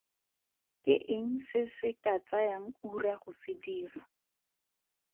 Ke eng se se ka tsayang ura go se dira?